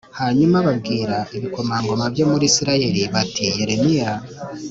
Hanyuma babwira ibikomangoma byo muri Isirayeli bati Yeremiya